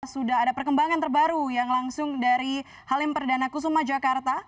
sudah ada perkembangan terbaru yang langsung dari halim perdana kusuma jakarta